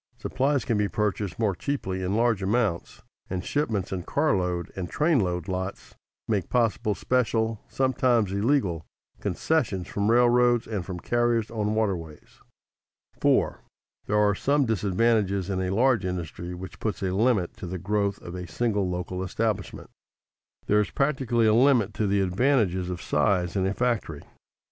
Supplies can be purchased more cheaply in large amounts, and shipments in car load and train load lots make possible special (sometimes illegal) concessions from railroads and from carriers on waterways. [Sidenote: Limits to the growth of a single factory] 4. There are some disadvantages in a large industry which put a limit to the growth of a single local establishment. There is practically a limit to the advantages of size in a factory.